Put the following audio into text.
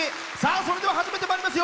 それでは始めてまいりますよ。